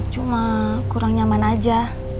cuma kurang nyaman aja